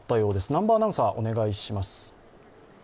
南波アナウンサー、お願いします。